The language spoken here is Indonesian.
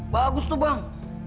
bagus tuh bang